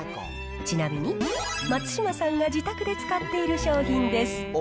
ちなみに、松嶋さんが自宅で使っている商品です。